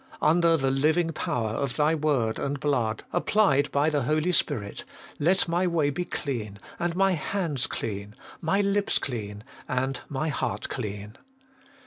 Under the living power of Thy word and blood, applied by the Holy Spirit, let my way be clean, and my hands clean, my lips clean, and my heart clean.